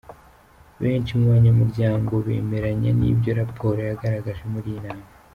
Benshi mu banyamuryango bemeranya n’ibyo raporo yagaragaje muri iyi nama.